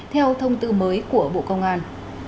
theo thông tư mới của bộ công an